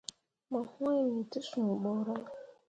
Mo wŋni te sũũ borah.